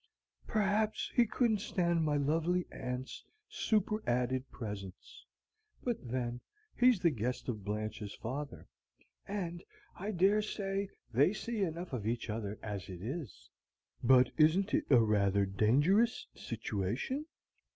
"Perhaps he couldn't stand my lovely aunt's superadded presence. But then, he's the guest of Blanche's father, and I dare say they see enough of each other as it is." "But isn't it a rather dangerous situation?"